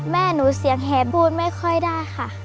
แม่หนูเสียงแหบูนไม่ค่อยได้ค่ะ